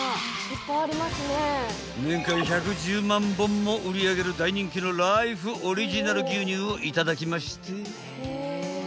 ［年間１１０万本も売り上げる大人気のライフオリジナル牛乳を頂きまして］